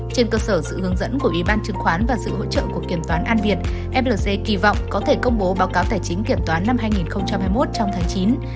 trên cơ sở sự hướng dẫn của ủy ban chứng khoán và sự hỗ trợ của kiểm toán an việt flc kỳ vọng có thể công bố báo cáo tài chính kiểm toán năm hai nghìn hai mươi một trong tháng chín